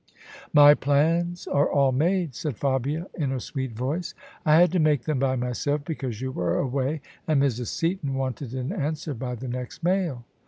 " My plans are all made," said Fabia in her sweet voice: " I had to make them by myself because you were away, and Mrs. Seaton wanted an answer by the next mail."